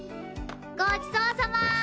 ごちそうさま！